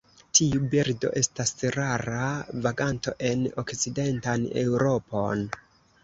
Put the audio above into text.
Tiu birdo estas rara vaganto en okcidentan Eŭropon.